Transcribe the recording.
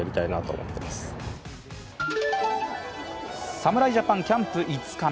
侍ジャパン、キャンプ５日目。